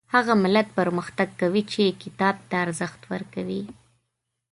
هغه ملت پرمختګ کوي چې کتاب ته ارزښت ورکوي